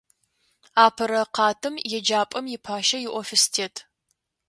Апэрэ къатым еджапӏэм ипащэ иофис тет.